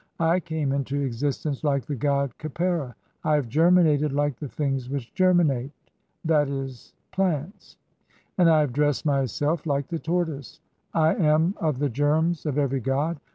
I came into "existence like the god Khepera, I have germinated like the "things which germinate (/'. e., plants), and I have dressed myself "like the (4) Tortoise. 3 I am [of] the germs of every god.